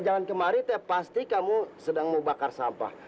jangan kemarin pasti kamu sedang mau bakar sampah